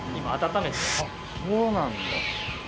あっそうなんだ。